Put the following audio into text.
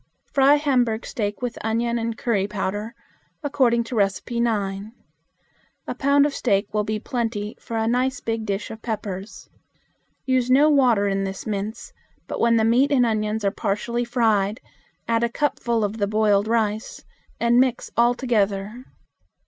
Fry Hamburg steak with onion and curry powder according to No. 9. A pound of steak will be plenty for a nice big dish of peppers. Use no water in this mince, but when the meat and onions are partially fried add a cupful of the boiled rice, and mix all together.